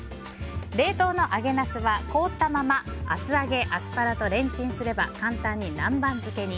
冷凍の揚げナスは凍ったまま厚揚げ、アスパラとレンチンすれば簡単に南蛮漬けに。